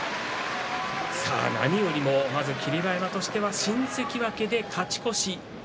何よりもまずは霧馬山としては新関脇で勝ち越し。